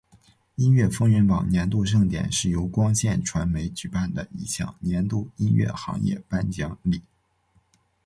音乐风云榜年度盛典是由光线传媒举办的一项年度音乐行业颁奖礼。